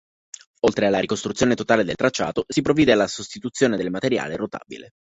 Oltre alla ricostruzione totale del tracciato, si provvide alla sostituzione del materiale rotabile.